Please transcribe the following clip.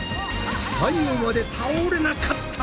最後まで倒れなかった！